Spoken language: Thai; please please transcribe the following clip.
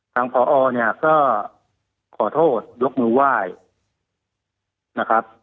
ทางพอเนี่ยก็ขอโทษยกมือไหว้นะครับ